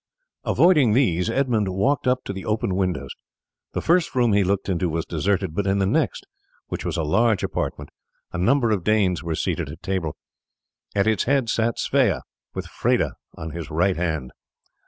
Avoiding these Edmund walked up to the open windows. The first room he looked into was deserted, but in the next, which was a large apartment, a number of Danes were seated at table. At its head sat Sweyn with Freda on his right hand.